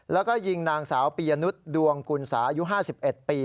แล้วก็ยิงนางสาวปียนุษย์ดวงกุลสายุ๕๑ปี